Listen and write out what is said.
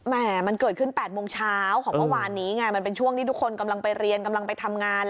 มันเกิดขึ้น๘โมงเช้าของเมื่อวานนี้ไงมันเป็นช่วงที่ทุกคนกำลังไปเรียนกำลังไปทำงาน